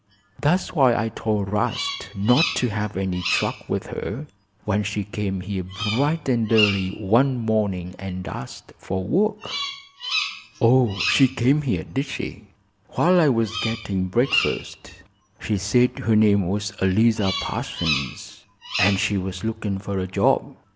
"That's why I told 'Rast not to have any truck with her, when she came here bright and early one morning and asked for work." "Oh, she came here, did she?" "While I was gettin' breakfast. She said her name was Eliza Parsons, an' she was looking fer a job.